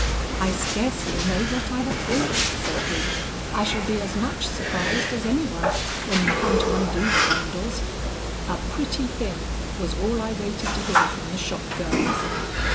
"I scarcely know what I have bought," said he. "I shall be as much surprised as any one, when you come to undo the bundles. 'A pretty thing,' was all I waited to hear from the shop girls."